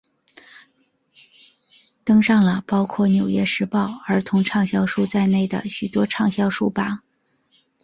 登上了包括纽约时报儿童畅销书在内的许多畅销书榜。